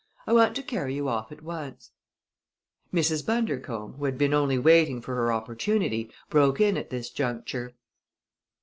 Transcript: I want to carry you off at once." Mrs. Bundercombe, who had been only waiting for her opportunity, broke in at this juncture.